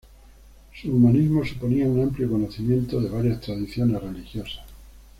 Su humanismo suponía un amplio conocimiento de varias tradiciones religiosas.